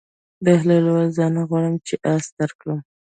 بهلول وویل: زه نه غواړم چې اس درکړم.